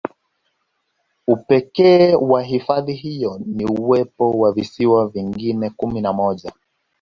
Upekee wa hifadhi hiyo ni uwepo wa visiwa vingine kumi na moja